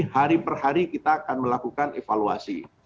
kami akan melakukan evaluasi